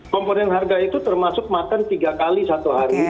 komponen harga itu termasuk makan tiga kali satu hari